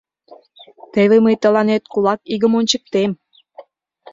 Теве мый тыланет кулак игым ончыктем!..